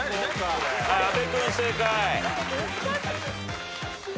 阿部君正解。